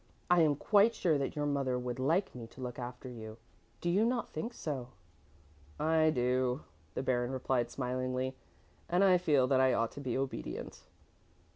I am quite sure that your mother would like me to look after you. Do you not think so?" "I do," the Baron replied smilingly, "and I feel that I ought to be obedient."